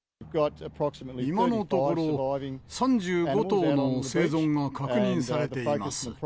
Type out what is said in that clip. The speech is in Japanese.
今のところ、３５頭の生存が確認されています。